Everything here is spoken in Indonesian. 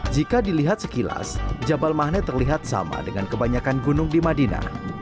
jika dilihat sekilas jabal magnet terlihat sama dengan kebanyakan gunung di madinah